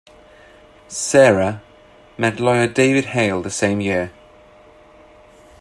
Sarah met lawyer David Hale the same year.